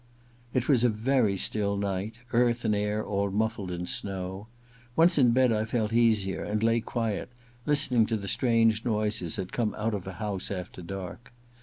It was a very still night, earth and air all muffled in snow. Once in bed I felt easier, and lay quiet, listening to the strange noises that come out in a house after dark.